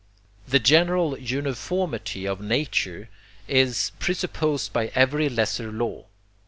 The general 'uniformity of nature' is presupposed by every lesser law.